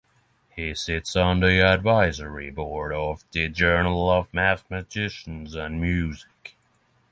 He sits on the Advisory Board of the Journal of Mathematics and Music.